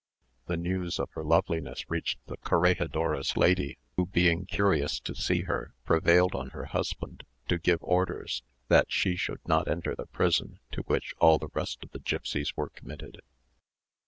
The news of her loveliness reached the corregidor's lady, who being curious to see her, prevailed on her husband to give orders that she should not enter the prison to which all the rest of the gipsies were committed.